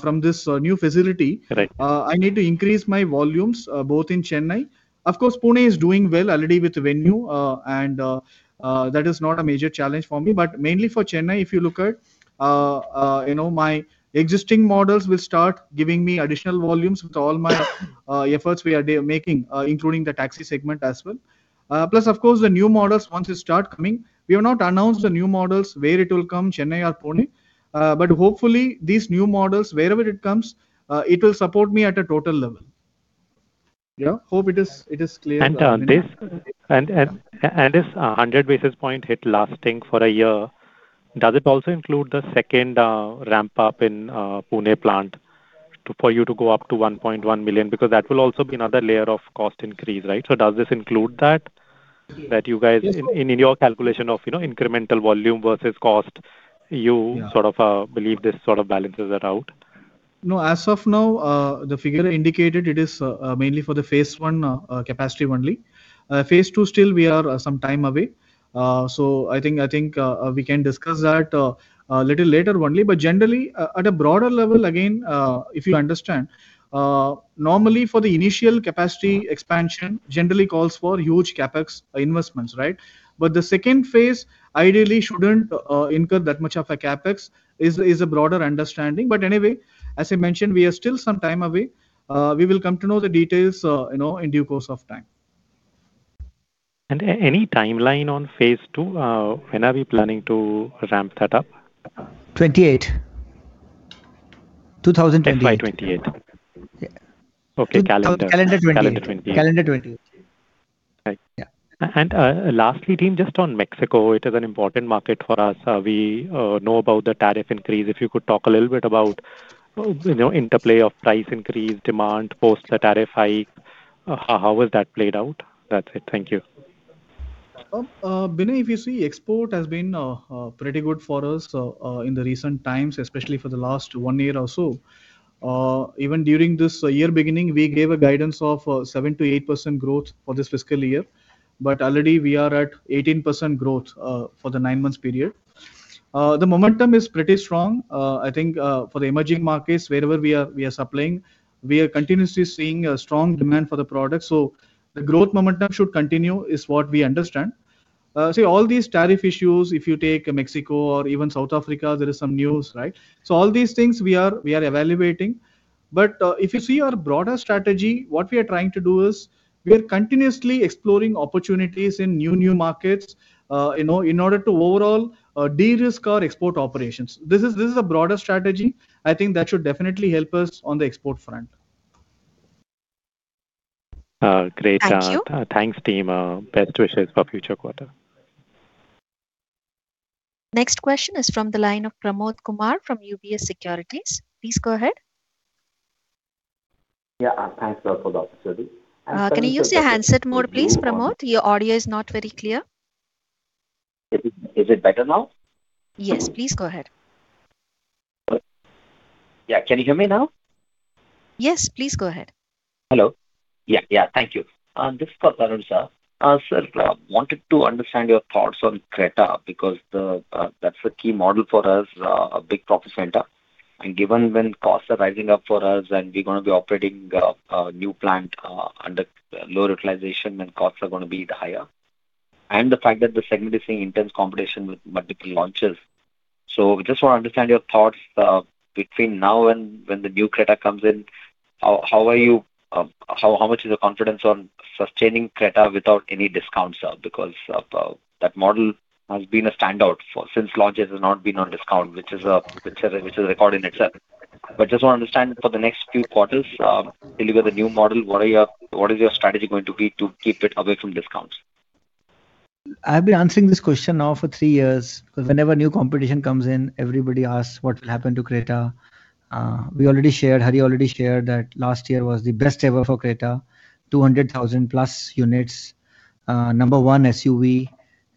from this new facility- Right. I need to increase my volumes both in Chennai. Of course, Pune is doing well already with the Venue, and that is not a major challenge for me. But mainly for Chennai, if you look at, you know, my existing models will start giving me additional volumes with all my efforts we are there making, including the taxi segment as well. Plus, of course, the new models, once they start coming, we have not announced the new models, where it will come, Chennai or Pune, but hopefully these new models, wherever it comes, it will support me at a total level. Yeah, hope it is, it is clear. And this 100 basis points hit lasting for a year, does it also include the second ramp up in Pune plant to, for you to go up to 1.1 million? Because that will also be another layer of cost increase, right? So does this include that you guys- Yes. in your calculation of, you know, incremental volume versus cost, you- Yeah sort of, believe this sort of balances that out? No, as of now, the figure indicated, it is, mainly for the phase one, capacity only. Phase two, still we are some time away. So I think, I think, we can discuss that, a little later only. But generally, at a broader level, again, if you understand, normally for the initial capacity expansion generally calls for huge CapEx investments, right? But the second phase ideally shouldn't, incur that much of a CapEx, is, is a broader understanding. But anyway, as I mentioned, we are still some time away. We will come to know the details, you know, in due course of time. Any timeline on phase two? When are we planning to ramp that up? 2028. 2028. End by 2028. Yeah. Okay, calendar. Calendar 2028. Calendar 2028. Calendar 2028. Right. Yeah. And, lastly, team, just on Mexico, it is an important market for us. We know about the tariff increase. If you could talk a little bit about, you know, interplay of price increase, demand, post the tariff hike, how has that played out? That's it. Thank you. Binay, if you see, export has been pretty good for us in the recent times, especially for the last one year or so. Even during this year beginning, we gave a guidance of seven to eight percent growth for this fiscal year, but already we are at eighteen percent growth for the nine months period. The momentum is pretty strong. I think for the emerging markets, wherever we are, we are supplying, we are continuously seeing a strong demand for the product. So the growth momentum should continue, is what we understand. See, all these tariff issues, if you take Mexico or even South Africa, there is some news, right? So all these things we are, we are evaluating. If you see our broader strategy, what we are trying to do is, we are continuously exploring opportunities in new markets, in order to overall de-risk our export operations. This is a broader strategy. I think that should definitely help us on the export front. Uh, great. Thank you. Thanks, team. Best wishes for future quarter. Next question is from the line of Pramod Kumar from UBS Securities. Please go ahead. Yeah, thanks for the opportunity. Can you use your handset mode, please, Pramod? Your audio is not very clear. Is it, is it better now? Yes, please go ahead. Yeah, can you hear me now? Yes, please go ahead. Hello. Yeah, yeah, thank you. This is for Tarun, sir. Sir, wanted to understand your thoughts on Creta, because the, that's a key model for us, a big profit center. And given when costs are rising up for us and we're gonna be operating a new plant under low utilization, then costs are gonna be higher, and the fact that the segment is seeing intense competition with multiple launches. So just want to understand your thoughts, between now and when the new Creta comes in, how, how are you, how much is your confidence on sustaining Creta without any discounts? Because, that model has been a standout for... since launch, it has not been on discount, which is, which is a, which is a record in itself. Just want to understand, for the next few quarters, till you get the new model, what are your, what is your strategy going to be to keep it away from discounts? I've been answering this question now for three years. Whenever new competition comes in, everybody asks what will happen to Creta. We already shared, Hari already shared, that last year was the best ever for Creta, 200,000+ units, number one SUV....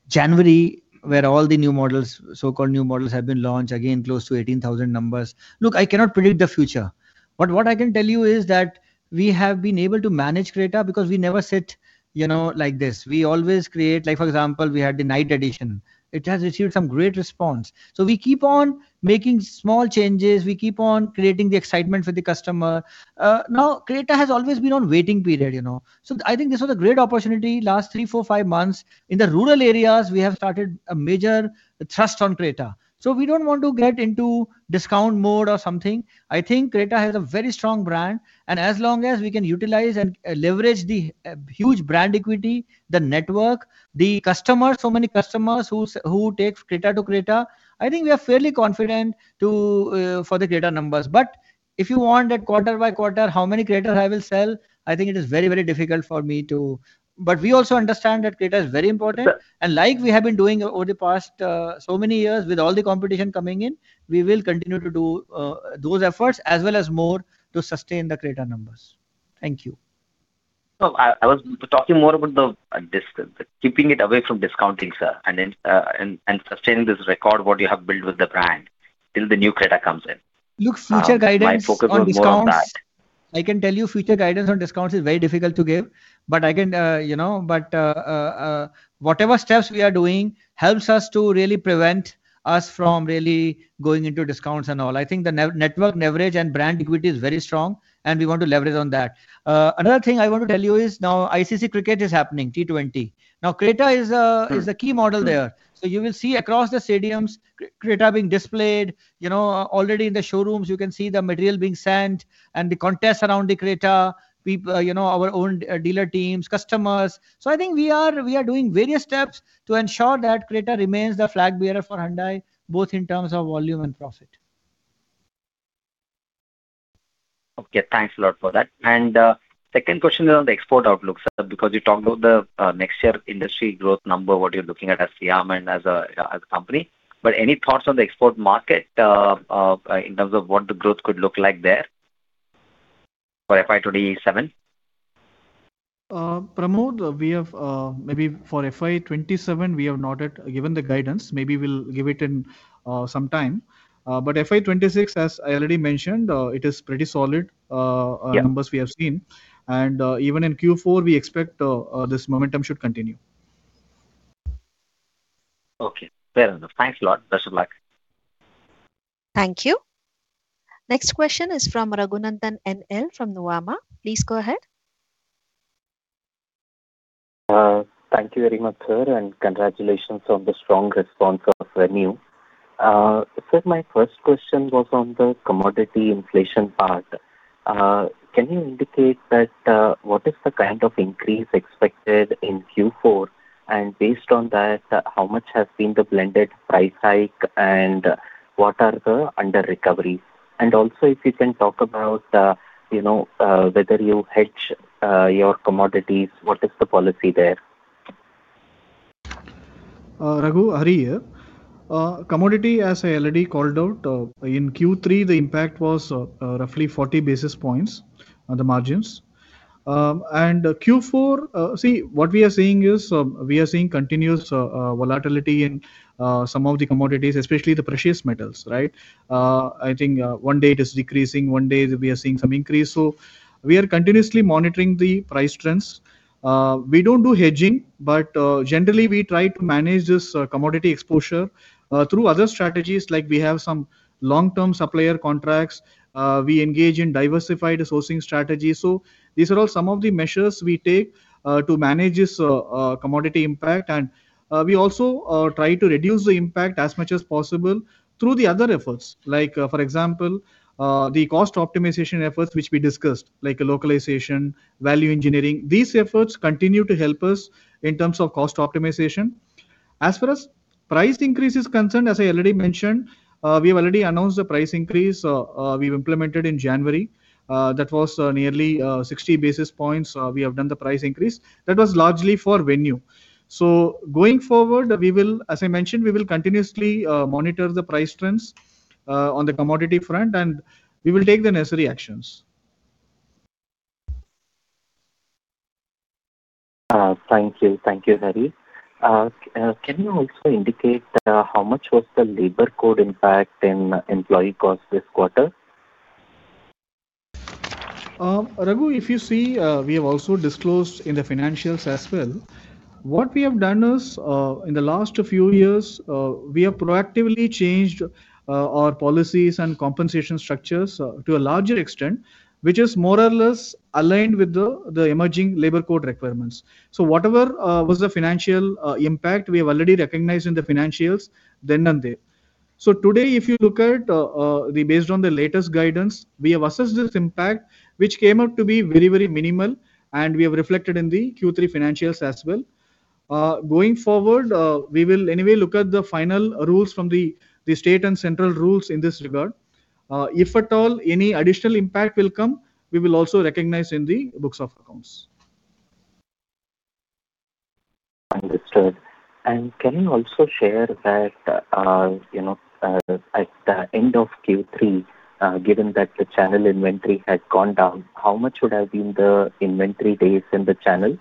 January, where all the new models, so-called new models, have been launched, again, close to 18,000 numbers. Look, I cannot predict the future, but what I can tell you is that we have been able to manage Creta because we never sit, you know, like this. We always create - like, for example, we had the Night Edition. It has received some great response. So we keep on making small changes, we keep on creating the excitement for the customer. Now, Creta has always been on waiting period, you know? So I think this was a great opportunity, last three, four, five months. In the rural areas, we have started a major trust on Creta. So we don't want to get into discount mode or something. I think Creta has a very strong brand, and as long as we can utilize and leverage the huge brand equity, the network, the customers, so many customers who take Creta to Creta, I think we are fairly confident to for the Creta numbers. But if you want that quarter by quarter, how many Creta I will sell, I think it is very, very difficult for me to... But we also understand that Creta is very important. Sir- Like we have been doing over the past so many years, with all the competition coming in, we will continue to do those efforts as well as more to sustain the Creta numbers. Thank you. No, I was talking more about keeping it away from discounting, sir, and then sustaining this record, what you have built with the brand, till the new Creta comes in. Look, future guidance on discounts- My focus was more on that. I can tell you, future guidance on discounts is very difficult to give, but I can, you know, but whatever steps we are doing helps us to really prevent us from really going into discounts and all. I think the network leverage and brand equity is very strong, and we want to leverage on that. Another thing I want to tell you is, now ICC Cricket is happening, T20. Now, Creta is, Mm. is a key model there. So you will see across the stadiums, Creta being displayed. You know, already in the showrooms you can see the material being sent and the contest around the Creta, you know, our own dealer teams, customers. So I think we are, we are doing various steps to ensure that Creta remains the flagbearer for Hyundai, both in terms of volume and profit. Okay. Thanks a lot for that. Second question is on the export outlook, sir, because you talked about the next year industry growth number, what you're looking at as SIAM and as a, as a company. But any thoughts on the export market, in terms of what the growth could look like there for FY 2027? Pramod, we have, maybe for FY 2027, we have not yet given the guidance. Maybe we'll give it in, some time. But FY 2026, as I already mentioned, it is pretty solid, Yeah numbers we have seen. And, this momentum should continue. Okay. Fair enough. Thanks a lot. Best of luck. Thank you. Next question is from Raghunandhan NL from Nuvama. Please go ahead. Thank you very much, sir, and congratulations on the strong response of Venue. Sir, my first question was on the commodity inflation part. Can you indicate that, what is the kind of increase expected in Q4? And based on that, how much has been the blended price hike, and what are the under-recoveries? And also, if you can talk about, you know, whether you hedge, your commodities, what is the policy there? Raghu, Hari here. Commodity, as I already called out, in Q3, the impact was, roughly 40 basis points on the margins. And Q4, what we are seeing is, we are seeing continuous, volatility in, some of the commodities, especially the precious metals, right? I think, one day it is decreasing, one day we are seeing some increase. So we are continuously monitoring the price trends. We don't do hedging, but, generally, we try to manage this, commodity exposure, through other strategies, like we have some long-term supplier contracts, we engage in diversified sourcing strategies. So these are all some of the measures we take, to manage this, commodity impact. We also try to reduce the impact as much as possible through the other efforts, like, for example, the cost optimization efforts, which we discussed, like localization, value engineering. These efforts continue to help us in terms of cost optimization. As far as price increase is concerned, as I already mentioned, we have already announced the price increase, we've implemented in January. That was nearly 60 basis points, we have done the price increase. That was largely for Venue. So going forward, we will, as I mentioned, we will continuously monitor the price trends on the commodity front, and we will take the necessary actions. Thank you. Thank you, Hari. Can you also indicate how much was the Labour Code impact in employee costs this quarter? Raghu, if you see, we have also disclosed in the financials as well. What we have done is, in the last few years, we have proactively changed our policies and compensation structures to a larger extent, which is more or less aligned with the emerging Labour Code requirements. So whatever was the financial impact, we have already recognized in the financials then and there. So today, if you look at, based on the latest guidance, we have assessed this impact, which came out to be very, very minimal, and we have reflected in the Q3 financials as well. Going forward, we will anyway look at the final rules from the state and central rules in this regard. If at all any additional impact will come, we will also recognize in the books of accounts. Understood. Can you also share that, you know, at the end of Q3, given that the channel inventory had gone down, how much would have been the inventory days in the channel?...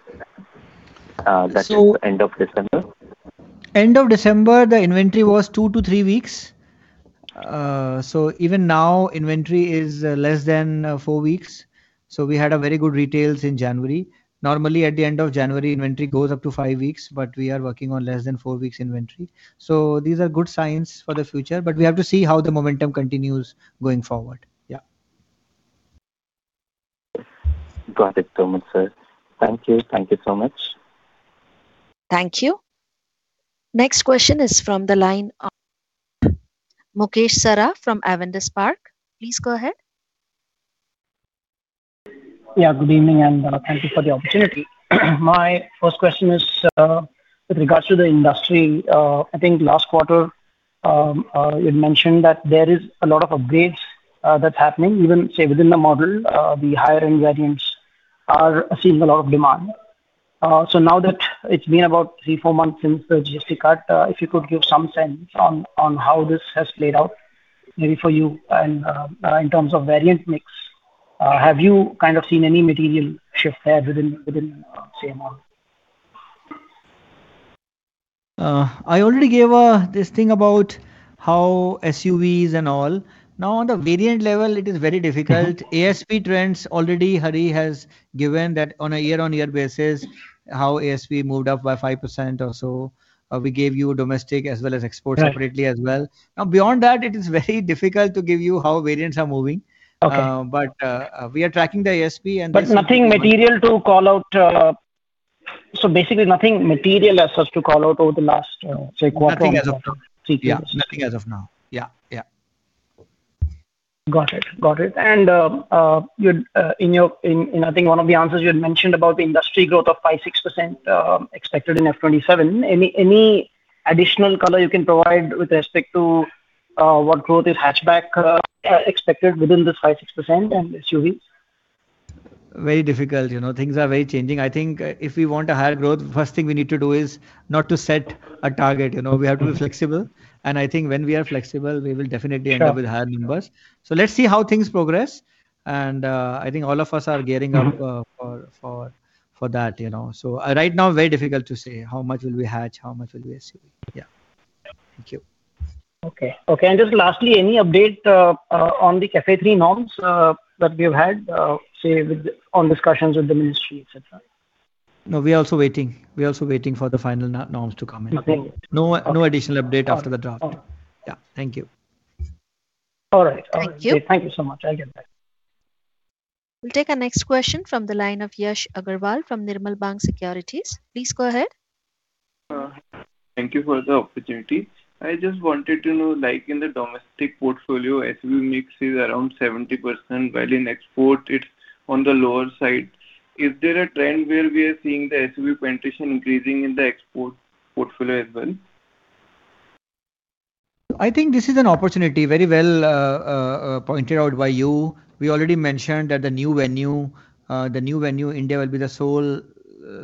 that is the end of December? End of December, the inventory was 2-3 weeks. So even now, inventory is less than 4 weeks, so we had a very good retail in January. Normally, at the end of January, inventory goes up to 5 weeks, but we are working on less than 4 weeks inventory. So these are good signs for the future, but we have to see how the momentum continues going forward. Yeah. Got it, Kumar, sir. Thank you. Thank you so much. Thank you. Next question is from the line of Mukesh Saraf from Avendus Spark. Please go ahead. Yeah, good evening, and thank you for the opportunity. My first question is with regards to the industry. I think last quarter you mentioned that there is a lot of upgrades that's happening. Even, say, within the model, the higher-end variants are seeing a lot of demand. So now that it's been about 3-4 months since the GST cut, if you could give some sense on how this has played out, maybe for you and in terms of variant mix. Have you kind of seen any material shift there within, say, a month? I already gave, this thing about how SUVs and all. Now, on the variant level, it is very difficult. Mm-hmm. ASP trends, already Hari has given that on a year-on-year basis, how ASP moved up by 5% or so. We gave you domestic as well as export- Right... separately as well. Now, beyond that, it is very difficult to give you how variants are moving. Okay. But, we are tracking the ASP and the- But nothing material to call out. So basically, nothing material as such to call out over the last, say, quarter or- Nothing as of now. Three years. Yeah, nothing as of now. Yeah, yeah. Got it. Got it. And I think one of the answers you had mentioned about the industry growth of 5%-6% expected in FY 2027. Any additional color you can provide with respect to what growth is hatchback expected within this 5%-6% and SUVs? Very difficult, you know. Things are very changing. I think, if we want a higher growth, first thing we need to do is not to set a target, you know. Mm-hmm. We have to be flexible, and I think when we are flexible, we will definitely end up- Sure... with higher numbers. So let's see how things progress, and, I think all of us are gearing up- Mm-hmm... for that, you know. So, right now, very difficult to say how much will be hatch, how much will be SUV. Yeah. Thank you. Okay. Okay, and just lastly, any update on the CAFE 3 norms that we've had, say, on discussions with the ministry, et cetera? No, we are also waiting. We are also waiting for the final norms to come in. Okay. No, no additional update after the draft. All right. Yeah. Thank you. All right. All right. Thank you. Thank you so much. I'll get back. We'll take our next question from the line of Yash Agarwal from Nirmal Bang Securities. Please go ahead. Thank you for the opportunity. I just wanted to know, like in the domestic portfolio, SUV mix is around 70%, while in export it's on the lower side. Is there a trend where we are seeing the SUV penetration increasing in the export portfolio as well? I think this is an opportunity, very well pointed out by you. We already mentioned that the new Venue, the new Venue, India will be the sole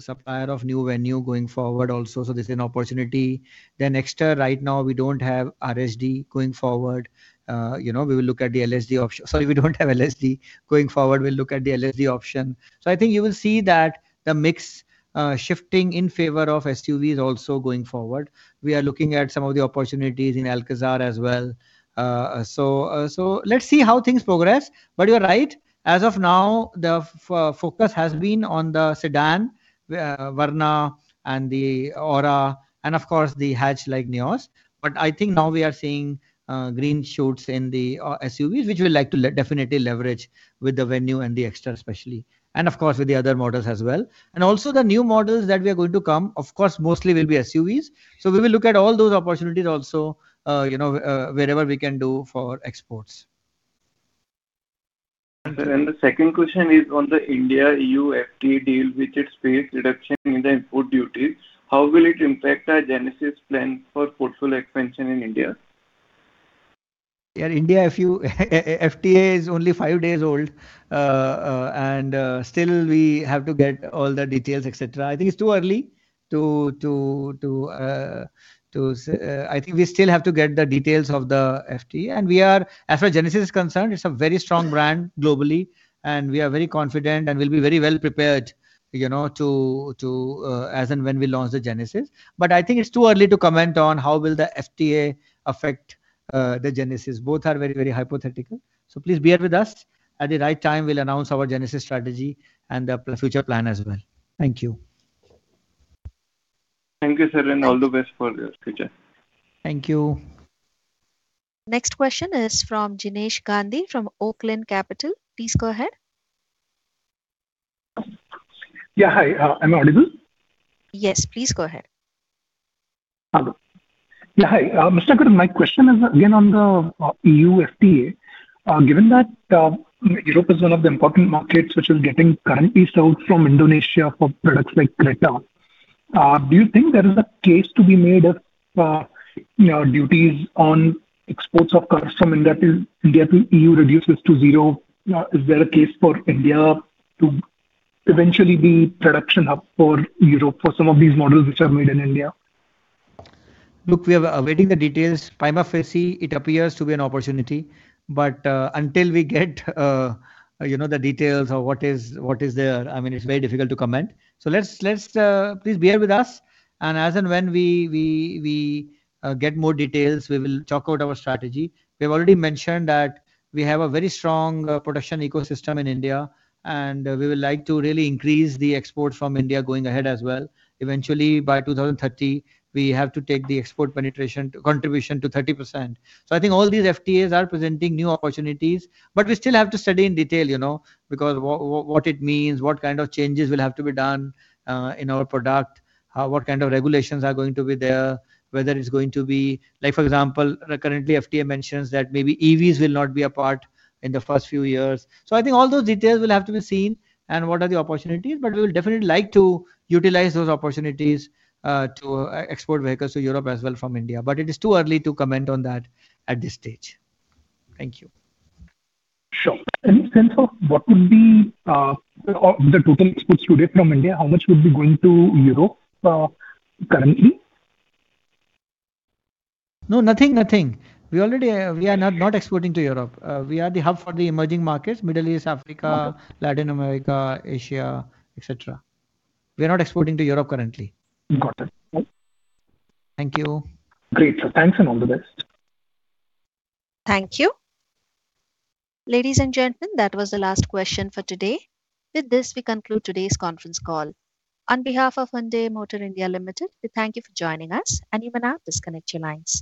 supplier of new Venue going forward also, so this is an opportunity. Then Exter, right now, we don't have RHD going forward. You know, we will look at the LHD option. Sorry, we don't have LHD. Going forward, we'll look at the LHD option. So I think you will see that the mix shifting in favor of SUV is also going forward. We are looking at some of the opportunities in Alcazar as well. So let's see how things progress. But you're right, as of now, the focus has been on the sedan, Verna and the Aura, and of course, the hatch like Nios. I think now we are seeing green shoots in the SUVs, which we like to definitely leverage with the Venue and the Exter especially, and of course, with the other models as well. Also the new models that we are going to come, of course, mostly will be SUVs. We will look at all those opportunities also, you know, wherever we can do for exports. The second question is on the India-EU FTA deal, which it states reduction in the import duty. How will it impact our Genesis plan for portfolio expansion in India? Yeah, India-EFTA is only five days old, and still we have to get all the details, et cetera. I think it's too early to... I think we still have to get the details of the FTA, and we are, as far as Genesis is concerned, it's a very strong brand globally, and we are very confident, and we'll be very well prepared, you know, as and when we launch the Genesis. But I think it's too early to comment on how will the FTA affect the Genesis. Both are very, very hypothetical. So please bear with us. At the right time, we'll announce our Genesis strategy and the future plan as well. Thank you. Thank you, sir, and all the best for the future. Thank you. Next question is from Jinesh Gandhi from Oaklane Capital. Please go ahead. Yeah. Hi, am I audible? Yes, please go ahead. Hello. Yeah, hi. Mr. Kumar, my question is again on the EU FTA. Given that, Europe is one of the important markets which is getting currently served from Indonesia for products like Creta, do you think there is a case to be made if, you know, duties on exports of cars from India to, India to EU reduces to zero? Is there a case for India to eventually be production hub for Europe for some of these models which are made in India? Look, we are awaiting the details. Prima facie, it appears to be an opportunity, but until we get you know, the details of what is, what is there, I mean, it's very difficult to comment. So let's, let's... Please bear with us, and as and when we, we, we get more details, we will chalk out our strategy. We've already mentioned that we have a very strong production ecosystem in India, and we would like to really increase the export from India going ahead as well. Eventually, by 2030, we have to take the export penetration to, contribution to 30%. So I think all these FTAs are presenting new opportunities, but we still have to study in detail, you know, because what it means, what kind of changes will have to be done in our product, what kind of regulations are going to be there, whether it's going to be... Like, for example, currently, FTA mentions that maybe EVs will not be a part in the first few years. So I think all those details will have to be seen, and what are the opportunities, but we will definitely like to utilize those opportunities to export vehicles to Europe as well from India. But it is too early to comment on that at this stage. Thank you. Sure. Any sense of what would be of the total exports today from India, currently? No, nothing, nothing. We already, we are not, not exporting to Europe. We are the hub for the emerging markets: Middle East, Africa- Okay. - Latin America, Asia, et cetera. We are not exporting to Europe currently. Got it. Okay. Thank you. Great, sir. Thanks, and all the best. Thank you. Ladies and gentlemen, that was the last question for today. With this, we conclude today's conference call. On behalf of Hyundai Motor India Limited, we thank you for joining us, and you may now disconnect your lines.